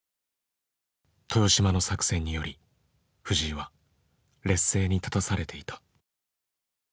豊島の作戦により藤井は劣勢に立たされていた。